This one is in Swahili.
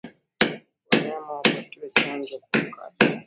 Wanyama wapatiwe chanjo kwa wakati